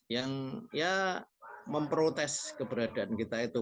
yang ya memprotes keberadaan kita itu